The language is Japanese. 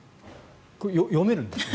これ、読めるんですか？